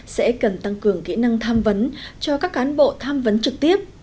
sẽ cần tăng cường kỹ năng tham vấn cho các cán bộ tham vấn trực tiếp